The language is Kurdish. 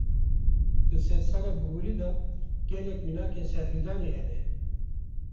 Di sedsala bihurî de, gelek mînakên serîhildanê hene